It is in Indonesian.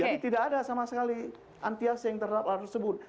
jadi tidak ada sama sekali anti asing terhadap tersebut